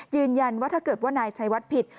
ยืนยันว่าถ้าเกิดว่านายชัยวัดผิด